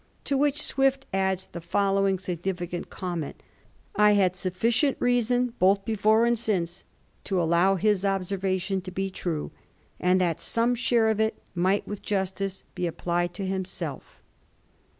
To which Swift adds the following significant conmient, ' I had sufficient reason, both before and since, to allow his observation to be true, and that some share of it might with justice be applied to himself.'